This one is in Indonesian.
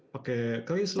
pakai keris lah